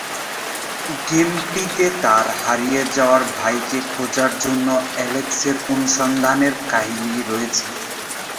গেমটিতে তার হারিয়ে যাওয়া ভাইকে খোঁজার জন্য অ্যালেক্সের অনুসন্ধানের কাহিনী রয়েছে।